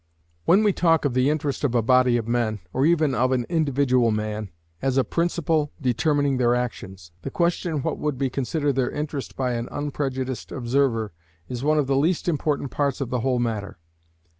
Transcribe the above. When we talk of the interest of a body of men, or even of an individual man, as a principle determining their actions, the question what would be considered their interest by an unprejudiced observer is one of the least important parts of the whole matter.